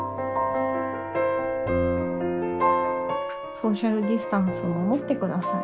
ソーシャルディスタンスを守ってください。